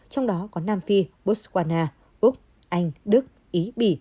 trong đó có nam phi botswana úc anh đức ý bỉ